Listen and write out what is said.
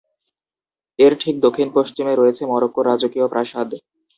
এর ঠিক দক্ষিণ-পশ্চিমে রয়েছে মরক্কোর রাজকীয় প্রাসাদ।